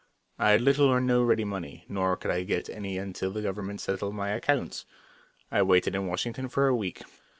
I had little or no ready money, nor could I get any until the government settled my accounts. I waited in Washington for a week.